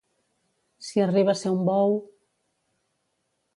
Si arriba a ser un bou...